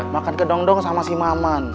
makan kedong dong sama si maman